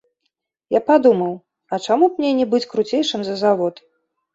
Я падумаў, а чаму б мне не быць круцейшым за завод.